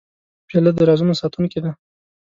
پیاله د رازونو ساتونکې ده.